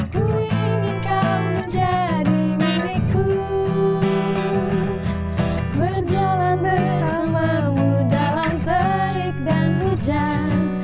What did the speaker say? ku ingin kau menjadi milikku berjalan bersamamu dalam terik dan hujan